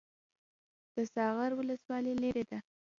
د ساغر ولسوالۍ لیرې ده